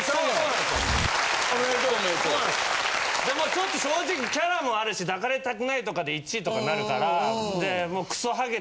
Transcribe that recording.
ちょっと正直キャラもあるし抱かれたくないとかで１位とかなるから。